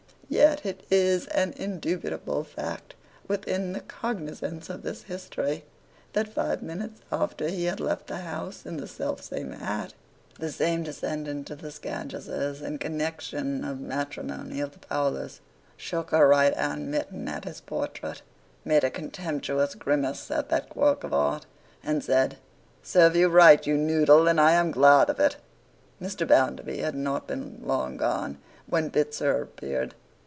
Yet it is an indubitable fact, within the cognizance of this history, that five minutes after he had left the house in the self same hat, the same descendant of the Scadgerses and connexion by matrimony of the Powlers, shook her right hand mitten at his portrait, made a contemptuous grimace at that work of art, and said 'Serve you right, you Noodle, and I am glad of it.' Mr. Bounderby had not been long gone, when Bitzer appeared.